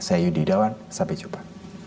saya yudi dawan sampai jumpa